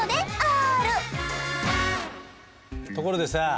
ところでさ